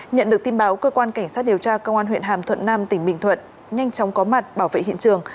nhận được tin báo cơ quan cảnh sát điều tra công an huyện hàm thuận nam tỉnh bình thuận nhanh chóng có mặt bảo vệ hiện trường